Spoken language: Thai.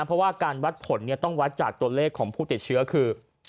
เพราะว่าการวัดผลต้องวัดจากตัวเลขของผู้ติดเชื้อคือ